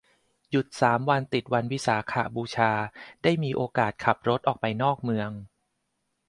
หยุดสามวันติดวันวิสาขบูชา ได้มีโอกาสขับรถออกไปนอกเมือง